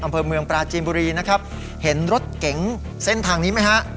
อำเภอเมืองปราจีนบุรีนะครับเห็นรถเก๋งเส้นทางนี้ไหมฮะ